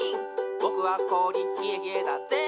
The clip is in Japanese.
ぼくはこおりひえひえだっぜ」